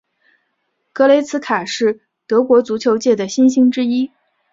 格雷茨卡是德国足球界的新星之一。